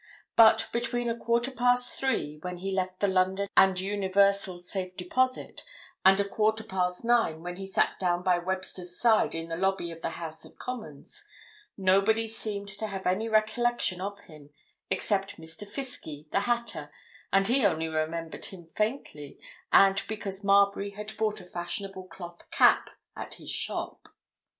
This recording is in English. But between a quarter past three, when he left the London and Universal Safe Deposit, and a quarter past nine, when he sat down by Webster's side in the lobby of the House of Commons, nobody seemed to have any recollection of him except Mr. Fiskie, the hatter, and he only remembered him faintly, and because Marbury had bought a fashionable cloth cap at his shop.